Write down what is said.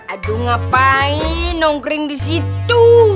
aduh ngapain nongkring di situ